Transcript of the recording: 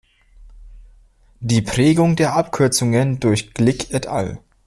Die Prägung der Abkürzungen durch Glick et al.